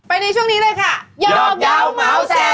ไปในช่วงนี้เลยค่ะ